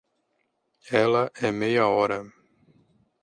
Ela é meia hora.